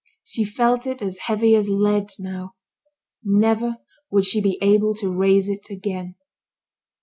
She felt it as heavy as lead, now; never would she be able to raise it again.